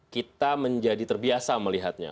kita menjadi terbiasa melihatnya